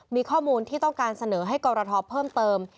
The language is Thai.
มีข้อมูลที่ต้องการเสนอให้กรทเพิ่มเติม